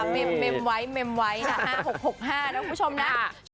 เม็มไว้๕๖๖๕นะคุณผู้ชมนะ